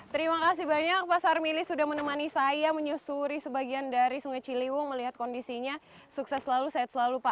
terima kasih banyak pak sarmili sudah menemani saya menyusuri sebagian dari sungai ciliwung melihat kondisinya sukses selalu sehat selalu pak